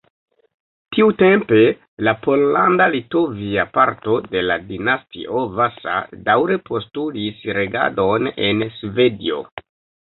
Tiutempe la pollanda-litovia parto de la dinastio Vasa daŭre postulis regadon en Svedio.